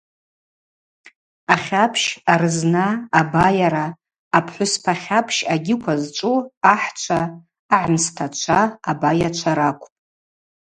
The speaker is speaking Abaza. Ахьапщ, арызна, абайара, апхӏвыспа хьапщ агьиква зчӏву ахӏчва, агӏымстачва, абайачва ракӏвпӏ.